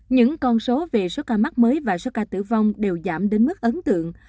những con số về số ca mắc mới và số ca tử vong đều giảm đến mức ấn tượng